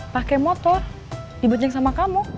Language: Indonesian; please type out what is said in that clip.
pake motor dibeteng sama kamu